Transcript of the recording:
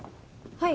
はい。